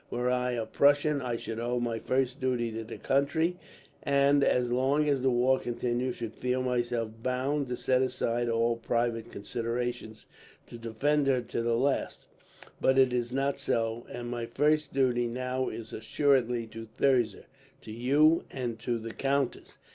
Were I a Prussian, I should owe my first duty to the country, and as long as the war continued should feel myself bound to set aside all private considerations to defend her to the last; but it is not so, and my first duty now is assuredly to Thirza, to you, and to the countess.